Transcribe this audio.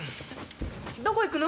どこ行くの？